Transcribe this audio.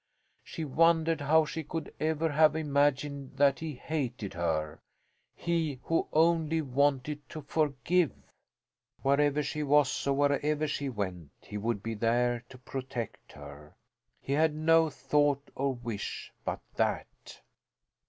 She wondered how she could ever have imagined that he hated her; he, who only wanted to forgive! Wherever she was or wherever she went he would be there to protect her; he had no thought or wish but that.